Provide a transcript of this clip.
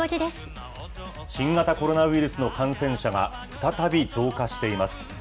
新型コロナウイルスの感染者が、再び増加しています。